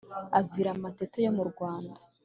avira amatete yo murwanda